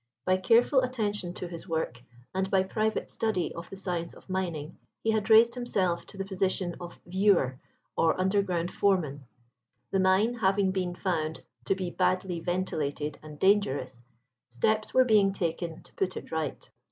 By careful attention to his work, and by private study of the science of mining, he had raised himself to the position of "viewer" or underground foreman. The mine having been found to be badly ventilated and dangerous, steps were being taken to put it right.